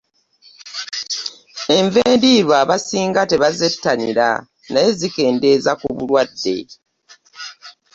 Enva endiirwa abasinga tebazettanira naye zikendeeza ku ndwadde.